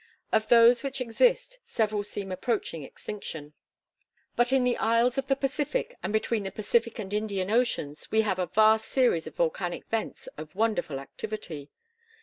Of those which exist several seem approaching extinction. But in the isles of the Pacific and between the Pacific and Indian oceans we have a vast series of volcanic vents of wonderful activity.